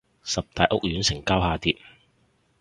十大屋苑成交下跌